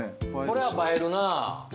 これは映えるな。